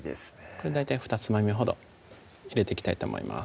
これ大体ふたつまみほど入れていきたいと思います